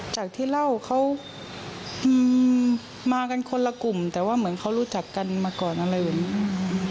จากที่เล่าเขามากันคนละกลุ่มแต่ว่าเหมือนเขารู้จักกันมาก่อนอะไรแบบนี้